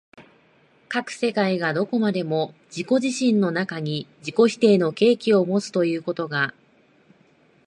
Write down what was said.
斯く世界がどこまでも自己自身の中に自己否定の契機をもつということが、